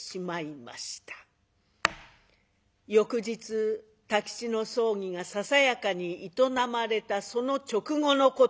翌日太吉の葬儀がささやかに営まれたその直後のこと。